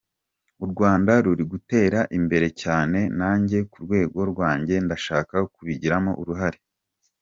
U Rwanda ruri gutera imbere cyane, nanjye ku rwego rwanjye ndashaka kubigiramo uruhare.